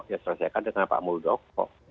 ya selesaikan dengan pak muldoko